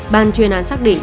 ban chuyên án xác định